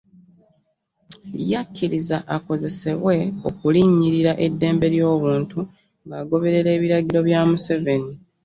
Yakkiriza akozesebwe okulinnyirira eddembe ly'obuntu ng'agoberera ebiragiro bya Museveni